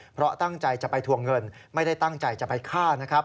เพราะตั้งใจจะไปทวงเงินไม่ได้ตั้งใจจะไปฆ่านะครับ